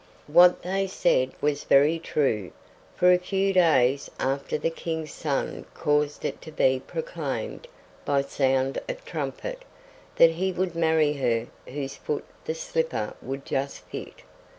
What they said was very true; for a few days after the King's son caused it to be proclaimed, by sound of trumpet, that he would marry her whose foot the slipper would just fit.